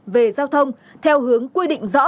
về giao thông theo hướng quy định rõ